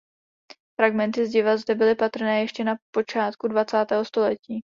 Fragmenty zdiva zde byly patrné ještě na počátku dvacátého století.